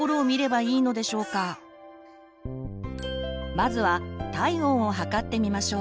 まずは体温を測ってみましょう。